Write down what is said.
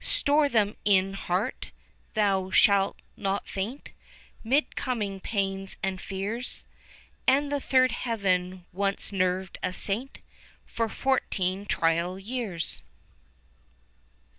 Store them in heart! thou shalt not faint 'Mid coming pains and fears, 10 As the third heaven once nerved a Saint For fourteen trial years.